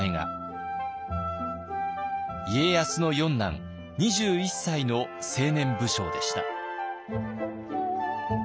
家康の四男２１歳の青年武将でした。